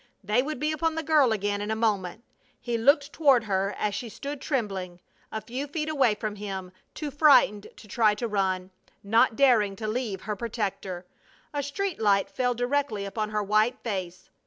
They would be upon the girl again in a moment. He looked toward her, as she stood trembling a few feet away from him, too frightened to try to run, not daring to leave her protector. A street light fell directly upon her white face.